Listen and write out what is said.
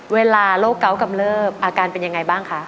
เวลาโรคเกาะกำเริบอาการเป็นยังไงบ้างคะ